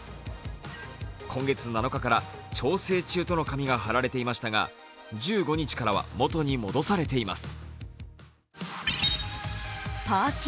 今月７日から調整中との紙が貼られていましたが、１５日からは元に戻されています。